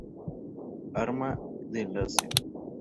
Arma de enlace.